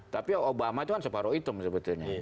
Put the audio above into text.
tapi obama itu kan separoh hitam sebetulnya